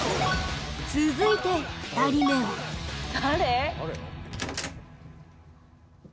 続いて２人目は誰？